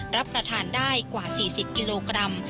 รับประทานได้กว่า๔๐กิโลกรัม